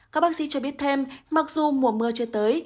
các bác sĩ cho biết thêm mặc dù mùa mưa chưa tới